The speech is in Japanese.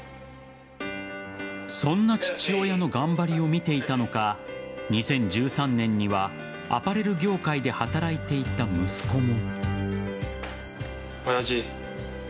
そんな父親の頑張りを見ていたのか２０１３年にはアパレル業界で働いていた息子も。